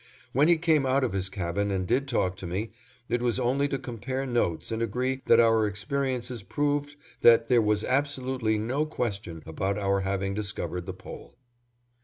When he came out of his cabin and did talk to me, it was only to compare notes and agree that our experiences proved that there was absolutely no question about our having discovered the Pole.